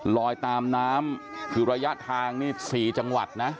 ลอยตามน้ำคือระยะทางนี่๔จังหวัดนะ